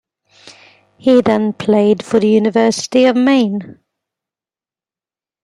He then played for the University of Maine.